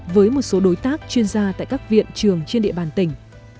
với một số đối tác chuyên gia tại các viện trường trên địa bàn tỉnh